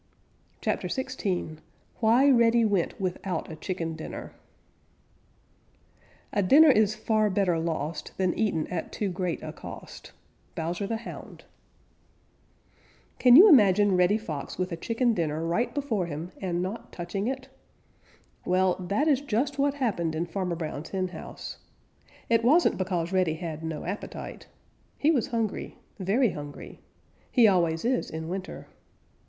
CHAPTER XVI WHY REDDY WENT WITHOUT A CHICKEN DINNER A dinner is far better lost Than eaten at too great a cost. Bowser the Hound. Can you imagine Reddy Fox with a chicken dinner right before him and not touching it? Well, that is just what happened in Farmer Brown's henhouse. It wasn't because Reddy had no appetite. He was hungry, very hungry. He always is in winter.